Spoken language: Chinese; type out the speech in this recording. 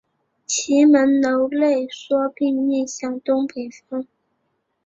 其门楼内缩并面向东北方。